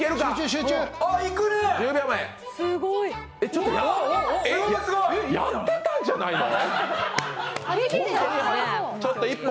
ちょっとやってたんじゃないの！？